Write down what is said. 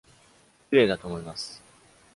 綺麗だと思います。